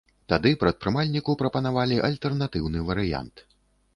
Тады прадпрымальніку прапанавалі альтэрнатыўны варыянт.